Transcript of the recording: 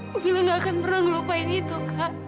kamila gak akan pernah lupain itu kak